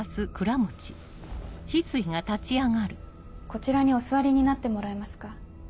こちらにお座りになってもらえますか？